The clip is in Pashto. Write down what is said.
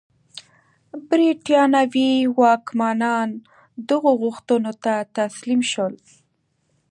برېټانوي واکمنان دغو غوښتنو ته تسلیم شول.